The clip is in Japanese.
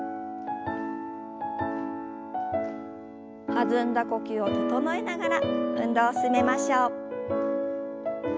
弾んだ呼吸を整えながら運動を進めましょう。